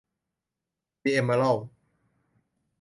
ดิเอมเมอรัลด์